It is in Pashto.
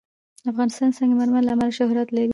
افغانستان د سنگ مرمر له امله شهرت لري.